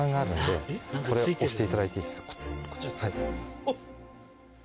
はい。